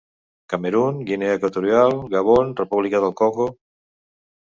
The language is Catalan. Camerun, Guinea Equatorial, Gabon i República del Congo.